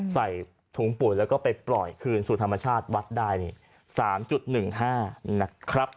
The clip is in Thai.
ใส่ถุงปุ๋ยแล้วก็ไปปล่อยคืนสู่ธรรมชาติวัดได้๓๑๕นะครับ